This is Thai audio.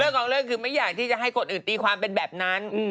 ของเรื่องคือไม่อยากที่จะให้คนอื่นตีความเป็นแบบนั้น